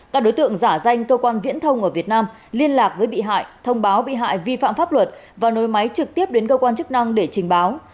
các đối tượng giả danh cơ quan viễn thông ở việt nam liên lạc với bị hại thông báo bị hại vi phạm pháp luật và nối máy trực tiếp đến cơ quan chức năng để trình báo